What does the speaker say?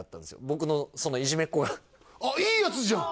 僕のそのいじめっ子があっいいヤツじゃん